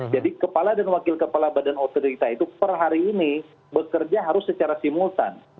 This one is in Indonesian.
jadi kepala dan wakil kepala badan otorita itu per hari ini bekerja harus secara simultan